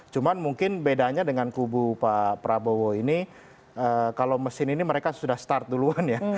cuma mungkin bedanya dengan kubu pak prabowo ini kalau mesin ini mereka sudah start duluan ya